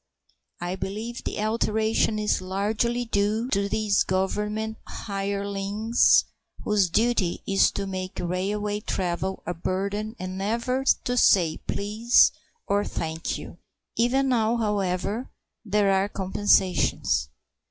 I believe the alteration is largely due to these Government hirelings whose duty it is to make railway travel a burden and never to say "Please" or "Thank you." Even now, however, there are compensations.